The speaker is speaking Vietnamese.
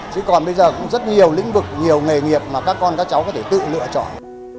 chứ còn bây giờ cũng rất nhiều lĩnh vực nhiều nghề nghiệp mà các con các cháu có thể tự lựa chọn